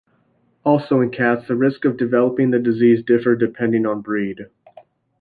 Also in cats, the risk of developing the disease differ depending on breed.